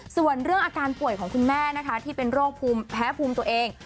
ส่วนเรื่องอาการป่วยของคุณแม่นะคะที่เป็นโรคภูมิแพ้ภูมิตัวเอง